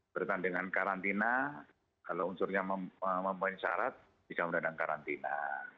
bertandingan karantina kalau unsurnya memenuhi syarat bisa menandang karantina